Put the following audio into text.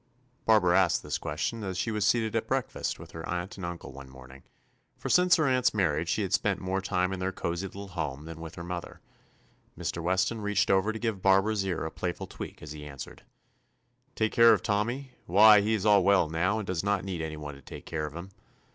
Barbara asked this question as she was seated at breakfast with her aunt and uncle one morning, for since her aunt's marriage she had spent more time in their cosey little home than 196 TOMMY POSTOFFICE with her mother. Mr. Weston reached over to give Barbara's ear a playful tweak as he answered : 'Take care of Tommy? Why he is all well now and does not need any one to take care of him.